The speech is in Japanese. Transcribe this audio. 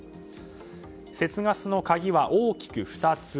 節ガスの鍵は大きく２つ。